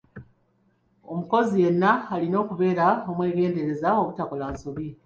Omukozi yenna alina okubeera omwegendereza obutakola nsobi.